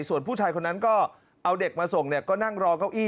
ส่วนผู้ชายคนนั้นก็เอาเด็กมาส่งก็นั่งรอเก้าอี